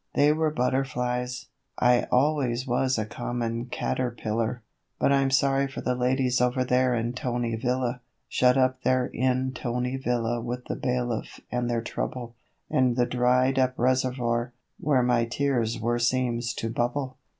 They were butterflies I always was a common caterpillar, But I'm sorry for the ladies over there in 'Tony Villa, Shut up there in 'Tony Villa with the bailiff and their trouble; And the dried up reservoir, where my tears were seems to bubble.